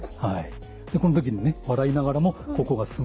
でこの時にね笑いながらもここがすごく。